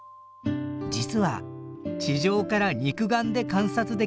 実は地上から肉眼で観察できることがあるのです。